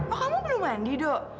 oh kamu belum mandi dok